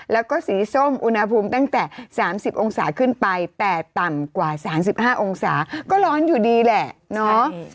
แล้วก็สีส้มอุณหภูมิตั้งแต่๓๐องศาขึ้นไปแต่ต่ำกว่า๓๕องศาก็ร้อนอยู่ดีแหละเนาะ